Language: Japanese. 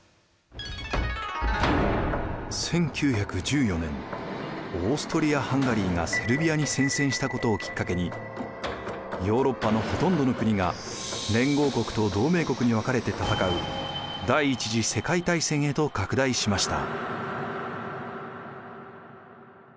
１９１４年オーストリア・ハンガリーがセルビアに宣戦したことをきっかけにヨーロッパのほとんどの国が連合国と同盟国に分かれて戦う第一次世界大戦へと拡大しました。